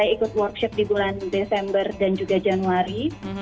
ikut workshop di bulan desember dan juga januari